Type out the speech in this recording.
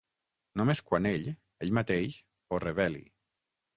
Només quan ell, ell mateix, ho reveli.